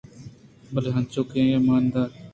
بلے انچو کہ آئی ءَ مان دات